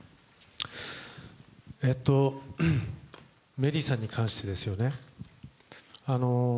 メリーさんに関してですよね。